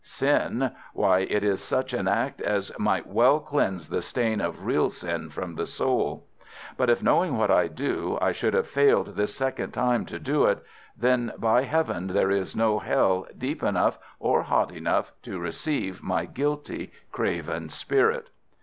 Sin! Why, it is such an act as might well cleanse the stain of real sin from the soul. But if, knowing what I do, I should have failed this second time to do it, then, by Heaven! there is no hell deep enough or hot enough to receive my guilty craven spirit."